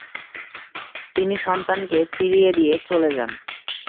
তিনি সন্তানকে ফিরিয়ে দিয়ে চলে যান।